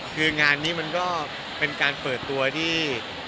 คืองานนี้มันก็เป็นการเปิดตัวที่